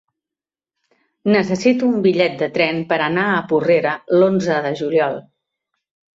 Necessito un bitllet de tren per anar a Porrera l'onze de juliol.